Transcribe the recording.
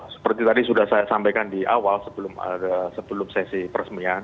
seperti tadi sudah saya sampaikan di awal sebelum sesi peresmian